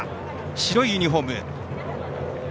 白いユニフォーム。